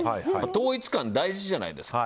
統一感大事じゃないですか。